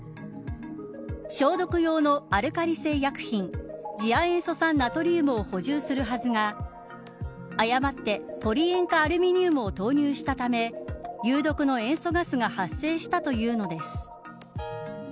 消毒用のアルカリ性薬品次亜塩素酸ナトリウムを補充するはずが誤って、ポリ塩化アルミニウムを投入したため有毒の塩素ガスが発生したというのです。